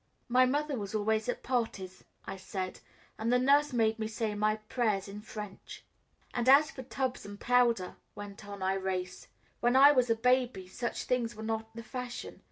"My mother was always at parties," I said; "and the nurse made me say my prayers in French." "And as for tubs and powder," went on Irais, "when I was a baby such things were not the fashion.